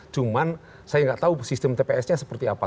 cuma saya nggak tahu sistem tps nya seperti apa